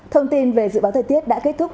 thông tin về dự báo thời tiết đã kết thúc